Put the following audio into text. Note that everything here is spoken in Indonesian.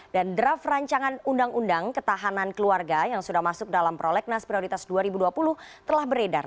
dan draft rancangan undang undang ketahanan keluarga yang sudah masuk dalam prolegnas prioritas dua ribu dua puluh telah beredar